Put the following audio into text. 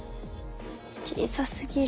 小さすぎる。